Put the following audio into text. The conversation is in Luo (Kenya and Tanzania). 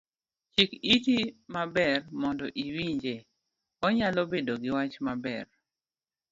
Chik iti maber mondo iwinje, onyalo bedo giwach maber.